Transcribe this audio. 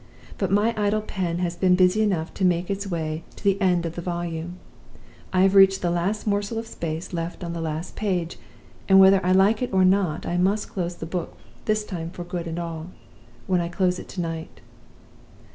But my idle pen has been busy enough to make its way to the end of the volume. I have reached the last morsel of space left on the last page; and whether I like it or not, I must close the book this time for good and all, when I close it to night.